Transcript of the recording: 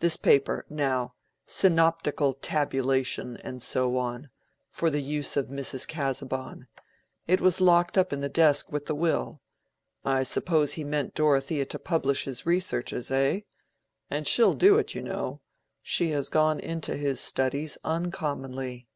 This paper, now, 'Synoptical Tabulation' and so on, 'for the use of Mrs. Casaubon,' it was locked up in the desk with the will. I suppose he meant Dorothea to publish his researches, eh? and she'll do it, you know; she has gone into his studies uncommonly."